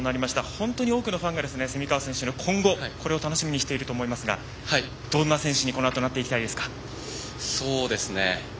本当に多くのファンが蝉川選手の今後を楽しみにしていると思いますがどんな選手にこのあとなっていきたいですか？